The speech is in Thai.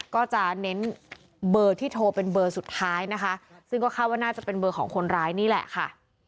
ก็จะเน้นเบอร์ที่โทรเป็นเบอร์สุดท้ายนะคะซึ่งก็คาดว่าน่าจะเป็นเบอร์ของคนร้ายนี่แหละค่ะ